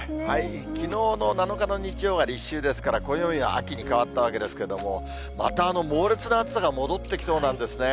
きのうの７日の日曜は立秋ですから、暦は秋に変わったわけですけども、また猛烈な暑さが戻ってきそうなんですね。